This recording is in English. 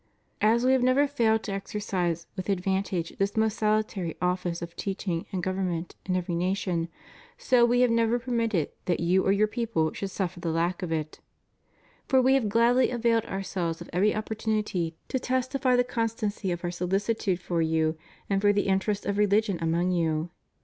As We have never failed to exercise v/ith advantage this most salutary ofiice of teaching and government in every nation, so We have never permitted that you or your people should suffer the lack of it. For We have gladly availed Ourselves of every opportunity to testify the constancy of Our solici tude for you and for the interests of religion among you.